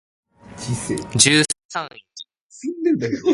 十三駅